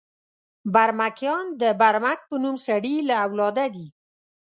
برمکیان د برمک په نوم سړي له اولاده دي.